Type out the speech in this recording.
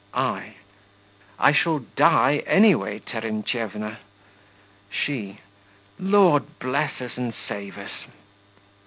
I. I shall die any way, Terentyevna! SHE. Lord bless us and save us!...